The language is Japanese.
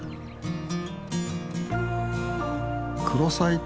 クロサイ